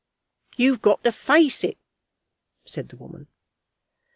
"You've got to face it," said the woman.